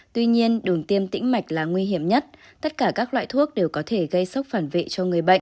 tuy nhiên đường tiêm tĩnh mạch là nguy hiểm nhất tất cả các loại thuốc đều có thể gây sốc phản vệ cho người bệnh